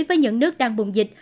với những nước đang bùng dịch